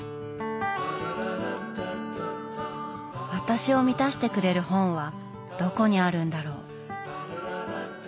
私を満たしてくれる本はどこにあるんだろう。